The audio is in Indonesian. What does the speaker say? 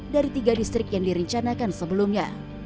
dari tiga distrik yang direncanakan sebelumnya